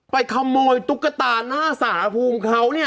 ไปขโมยตุ๊กตาหน้าสารภูมิเขาเนี่ย